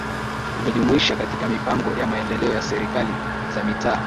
Umejumuisha katika mipango ya maendeleo ya serikali za mitaa